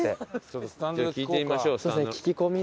聞いてみましょう。